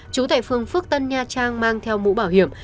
chú tại phường phước tân nha trang mang theo mũ bảo hiểm